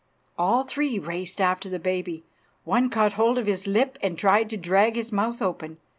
All three raced after the baby. One caught hold of his lip and tried to drag his mouth open.